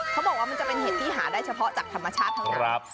เค้าบอกว่ามันจะเป็นเห็ดที่หาไปเฉพาะจากธรรมชาติทั้งนั้นแหละครับ